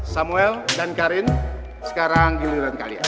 samuel dan karin sekarang giliran kalian